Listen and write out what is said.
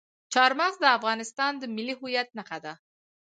چار مغز د افغانستان د ملي هویت نښه ده.